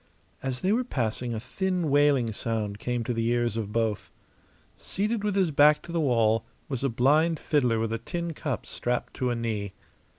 As they were passing a thin, wailing sound came to the ears of both. Seated with his back to the wall was a blind fiddler with a tin cup strapped to a knee.